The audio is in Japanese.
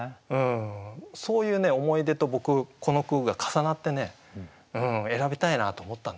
そういう思い出と僕この句が重なってね選びたいなと思ったんですよね。